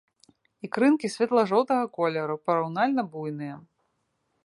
Ікрынкі светла-жоўтага колеру, параўнальна буйныя.